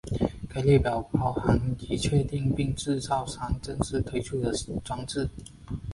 该列表包含已确认并制造商正式推出的装置。